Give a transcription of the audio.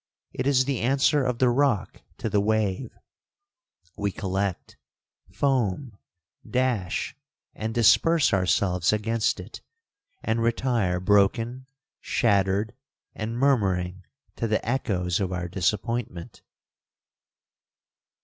It is the answer of the rock to the wave—we collect, foam, dash, and disperse ourselves against it, and retire broken, shattered, and murmuring to the echoes of our disappointment.